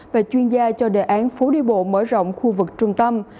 về chuyên gia cho đề án phố đi bộ mở rộng khu vực trung tâm